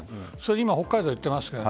今、北海道行ってますけど。